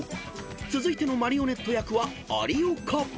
［続いてのマリオネット役は有岡］